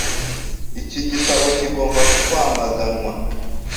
Iki gitabo kigomba kwamaganwa